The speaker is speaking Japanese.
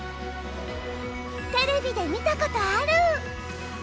テレビで見たことある！